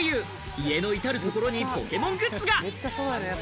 家の至るところにポケモングッズが。